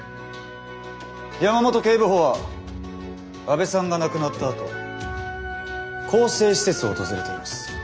山本警部補は阿部さんが亡くなったあと更生施設を訪れています。